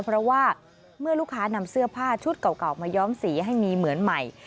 เพราะว่าเมื่อลูกค้านำเสื้อผ้าชุดเก่ามาย้อมสีให้มีเหมือนใหม่